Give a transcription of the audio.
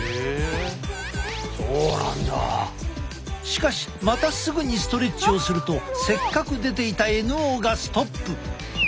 しかしまたすぐにストレッチをするとせっかく出ていたＮＯがストップ！